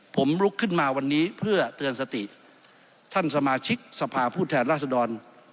ผมลุกขึ้นมาวันนี้เพื่อเตือนสติท่านสมาชิกสภาพผู้แทนราษดร